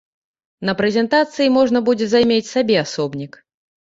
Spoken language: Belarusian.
На прэзентацыі можна будзе займець сабе асобнік.